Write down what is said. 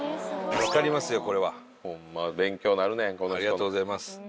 ありがとうございます。